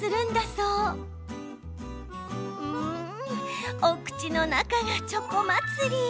うーん、お口の中がチョコ祭り。